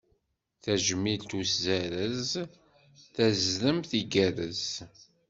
Tajmilt uzarez, tazdemt tgerrez.